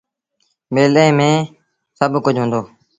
ميلي مييٚن سڀ ڪجھ هُݩدو۔